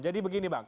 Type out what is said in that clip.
jadi begini bang